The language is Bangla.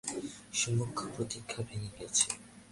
সম্মুখ প্রতিরক্ষা ভেঙ্গে গেছে!